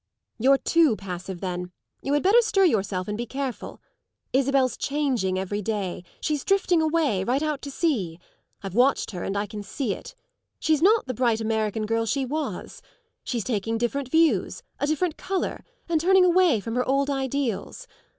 "You're too passive then. You had better stir yourself and be careful. Isabel's changing every day; she's drifting away right out to sea. I've watched her and I can see it. She's not the bright American girl she was. She's taking different views, a different colour, and turning away from her old ideals.